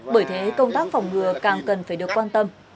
bởi thế công tác phòng ngừa càng cần phải được quan tâm